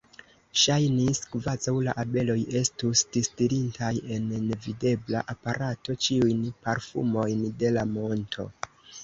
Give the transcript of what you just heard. Ŝajnis, kvazaŭ la abeloj estus distilintaj en nevidebla aparato ĉiujn parfumojn de la monto.